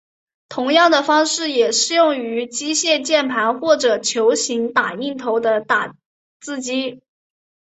同样的方式也适用于使用机械键盘或者球形打印头的打字机。